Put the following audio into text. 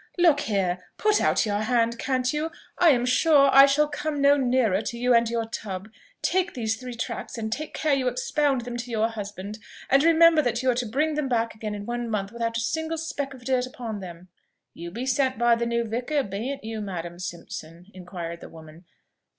Look here, put out your hand, can't you? I am sure I shall come no nearer to you and your tub. Take these three tracts, and take care you expound them to your husband; and remember that you are to bring them back again in one month without a single speck of dirt upon them." "You be sent by the new vicar, beant you, Madam Simpson?" inquired the woman.